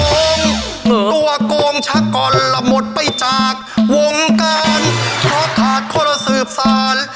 ตัวโกงชักกรหลับหมดไปจากวงการเพราะขาดคนละสืบสาร